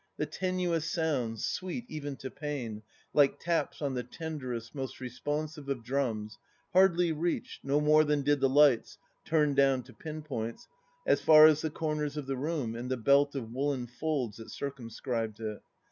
The tenuous sounds, sweet even to pain, like taps on the tenderest, most responsive of drums, hardly reached, no more than did the lights, turned down to pin points, as far as the comers of the room and the belt of woollen folds that circumscribed it.